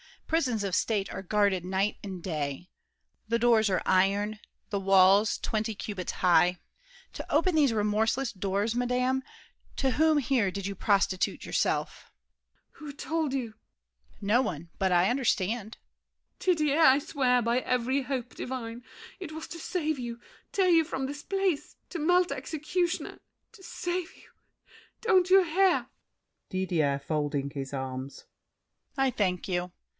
Prisons of state are guarded night and day, The doors are iron, walls twenty cubits high; To open these remorseless doors, madame, To whom here did you prostitute yourself? MARION. Who told you? DIDIER. No one; but I understand. MARION. Didier, I swear by every hope divine It was to save you, tear you from this place; To melt the executioner—to save you— Don't you hear? DIDIER (folding his arms). I thank you!